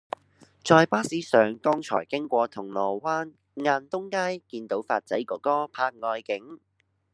在巴士上剛才經過銅鑼灣霎東街見到發仔哥哥拍外景